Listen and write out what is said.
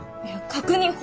いや確認。